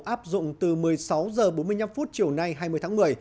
áp dụng từ một mươi sáu h bốn mươi năm chiều nay hai mươi tháng một mươi